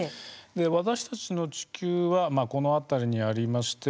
私たちの地球はこの辺りにありまして